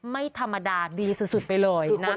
ไม่ธรรมดาดีสุดไปเลยนะ